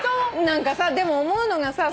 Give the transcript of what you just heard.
何かさでも思うのがさ